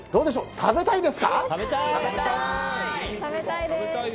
食べたいです！